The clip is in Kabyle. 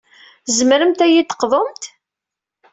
Tzemremt ad yi-d-teqḍumt?